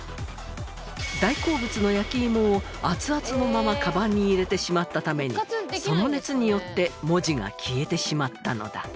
大好物の焼き芋を熱々のままカバンに入れてしまったためにその熱によって文字が消えてしまったのだ。